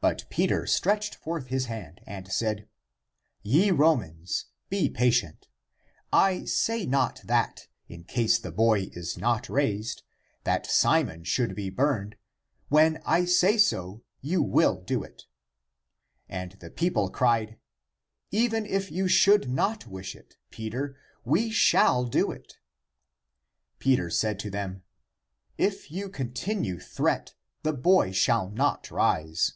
But Peter stretched forth his hand and said, " Ye Romans, be patient. I say not that in case the boy is not raised, that Simon should be burned; when I say so, you will do it." And the people cried, " Even if you should not wish it, Peter, we shall do it." Peter said to them, " If you con tinue thereat, the boy shall not rise.